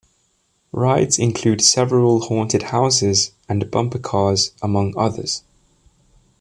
Rides include several haunted houses and bumper cars, among others.